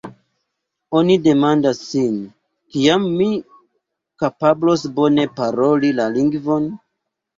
Oni demandas sin: “Kiam mi kapablos bone paroli la lingvon?